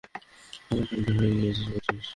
আমার সমান হয়ে গিয়েছিস ভাবিস?